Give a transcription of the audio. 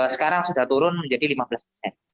sekarang sudah turun menjadi lima belas persen